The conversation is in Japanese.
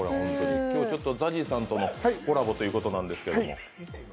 今日ＺＡＺＹさんとのコラボということなんですけど。